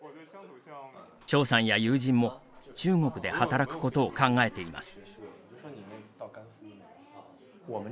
張さんや友人も中国で働くことを考えています。